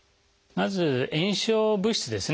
まず炎症物質ですね